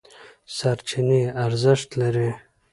سرچینې ارزښت لري.